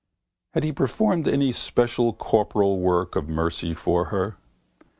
Had he performed any special corporal work of mercy for her?